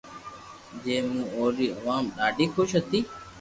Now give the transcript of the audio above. جي مون اوري عوام ڌاڌي خوݾ ھتي